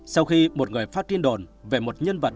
sau khi một người phát tin đồn về một nhân vật